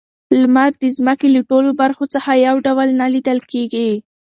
لمر د ځمکې له ټولو برخو څخه یو ډول نه لیدل کیږي.